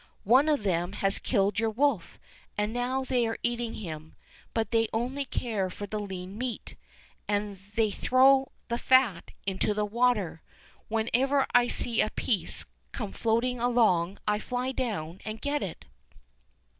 One of them has killed your wolf, and now they are eat ing him, but they only care for the lean meat, and they throw the fat into the water. When ever I see a piece come floating along I fly down and get it."